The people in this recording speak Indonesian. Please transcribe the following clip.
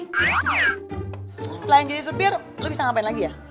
setelah yang jadi supir lo bisa ngapain lagi ya